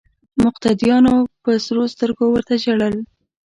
مقتدیانو په سرو سترګو ورته ژړل.